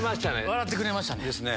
笑ってくれましたね。